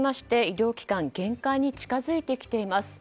医療機関は限界に近づいてきています。